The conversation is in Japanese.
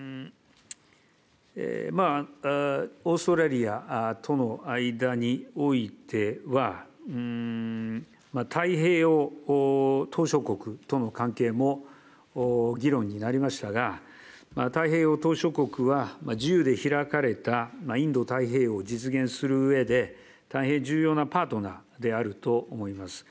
オーストラリアとの間においては、太平洋島しょ国との関係も議論になりましたが、太平洋島しょ国は、自由で開かれたインド太平洋を実現するうえで、大変重要なパートナーであると思います。